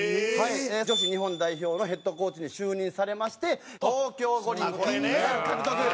女子日本代表のヘッドコーチに就任されまして東京五輪銀メダル獲得！